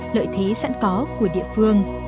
lợi thế sẵn có của địa phương